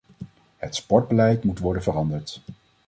Het sportbeleid moet worden veranderd.